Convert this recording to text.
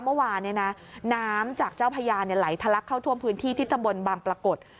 เมื่อวานน้ำจากเจ้าพญาไหลทะลักเข้าท่วมพื้นที่ที่ตำบลบางปรากฏ